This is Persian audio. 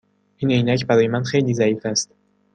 این عینک برای من خیلی ضعیف است.